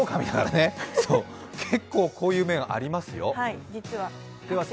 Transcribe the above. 結構こういう面ありますよ。